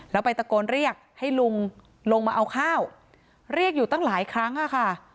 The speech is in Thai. แล้วไปตะโกนเรียกให้ลุงลงมาเอาข้าวเรียกอยู่ตั้งหลายครั้งอะค่ะ